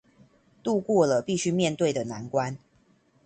渡過了必須面對的難關